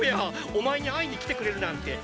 お前に会いに来てくれるなんて！！